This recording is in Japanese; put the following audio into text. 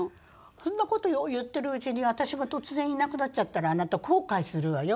そんな事言ってるうちに私が突然いなくなっちゃったらあなた後悔するわよ。